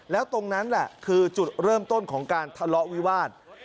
แล้วตรงนั้นแหละคือจุดเริ่มต้นของการทะเลาะวิวาส